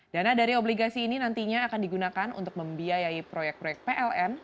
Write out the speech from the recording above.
dana dari obligasi ini nantinya akan digunakan untuk membiayai proyek proyek pln